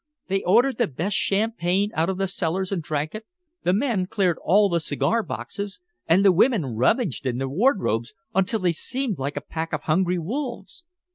They ordered the best champagne out of the cellars and drank it, the men cleared all the cigar boxes, and the women rummaged in the wardrobes until they seemed like a pack of hungry wolves.